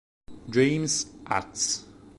James Ax